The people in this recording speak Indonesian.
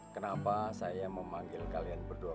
kenapa saya memanggil kalian berdua